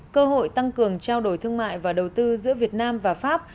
cơ hội tăng cường trao đổi thương mại và đầu tư giữa việt nam và pháp